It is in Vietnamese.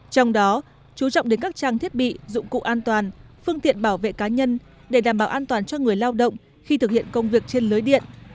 trong đó chú trọng đến các trang thiết bị dụng cụ an toàn phương tiện bảo vệ cá nhân để đảm bảo an toàn cho người lao động khi thực hiện công việc trên lưới điện